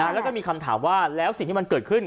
แล้วก็มีคำถามว่าแล้วสิ่งที่มันเกิดขึ้น